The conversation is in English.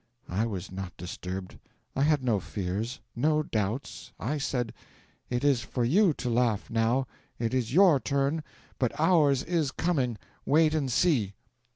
'I was not disturbed I had no fears, no doubts. I said: '"It is for you to laugh now; it is your turn. But ours is coming; wait and see."